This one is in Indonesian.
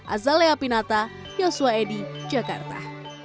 azalea pinata yosua edy jakarta